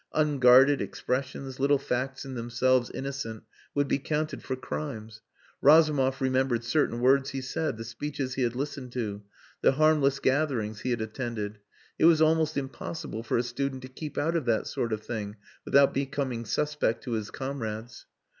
Unguarded expressions, little facts in themselves innocent would be counted for crimes. Razumov remembered certain words he said, the speeches he had listened to, the harmless gatherings he had attended it was almost impossible for a student to keep out of that sort of thing, without becoming suspect to his comrades.